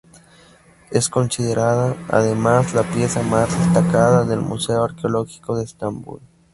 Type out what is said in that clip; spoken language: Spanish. Es considerada, además, la pieza más destacada del Museo arqueológico de Estambul.